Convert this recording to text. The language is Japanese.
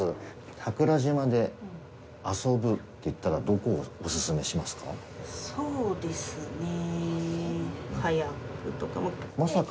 桜島で遊ぶっていったら、どこをお勧めしますか。